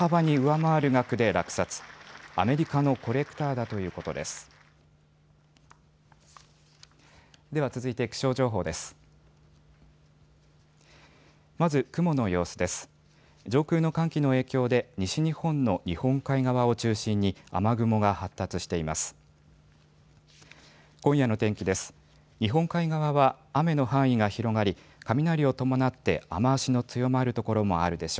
上空の寒気の影響で西日本の日本海側を中心に雨雲が発達しています。